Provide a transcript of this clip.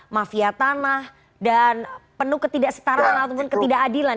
mafia tanah dan penuh ketidak setara atau ketidak adilan